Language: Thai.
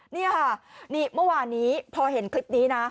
เมื่อวานี้พอเห็นคลิปนี้